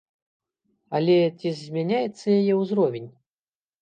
Але ці змяняецца яе ўзровень?